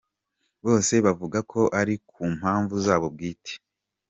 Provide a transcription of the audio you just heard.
Bose bavuga ko ari ku mpamvu zabo bwite.